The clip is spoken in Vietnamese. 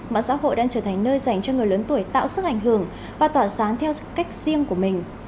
mạng xã hội đang trở thành nơi dành cho người lớn tuổi tạo sức ảnh hưởng và tỏa sáng theo cách riêng của mình